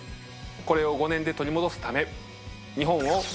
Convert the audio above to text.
これを５年で取り戻すため。